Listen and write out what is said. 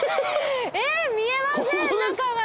えっ見えません中が。